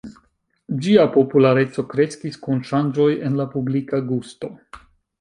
Ĝia populareco kreskis kun ŝanĝoj en la publika gusto.